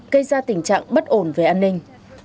gây ra tình trạng bất ổn về an ninh